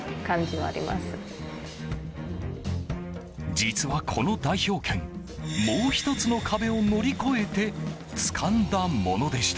実は、この代表権もう１つの壁を乗り越えてつかんだものでした。